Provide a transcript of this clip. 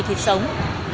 để làm công nghiệp